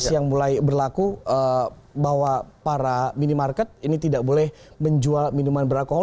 yang mulai berlaku bahwa para minimarket ini tidak boleh menjual minuman beralkohol